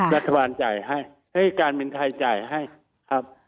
รัฐบาลจ่ายให้ให้การบินไทยจ่ายให้ครับ